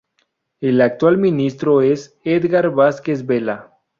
El actual ministro es Édgar Vásquez Vela.